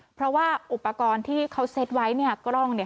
เพราะว่าอุปกรณ์ที่เขาเซ็ตไว้เนี่ยกล้องเนี่ย